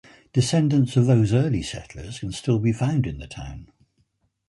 Descendants of those early settlers can still be found in the town.